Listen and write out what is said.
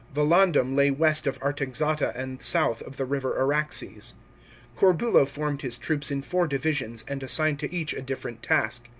Volandum lay west of Artaxata and south of the river A raxes. Corbulo formed his troops in four divisions and assigned to each a different task.